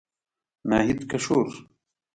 ناهيد کشور